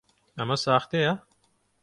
ئەمە ساختەیە؟